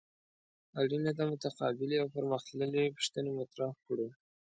اړینه ده متقابلې او پرمخ تللې پوښتنې مطرح کړو.